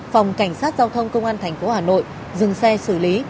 phòng cảnh sát giao thông công an thành phố hà nội dừng xe xử lý